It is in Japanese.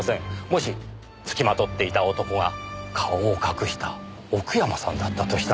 もしつきまとっていた男が顔を隠した奥山さんだったとしたら？